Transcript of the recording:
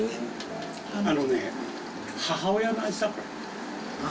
あのね、母親の味だったの。